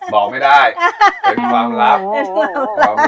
บอกไม่ได้เป็นความลับ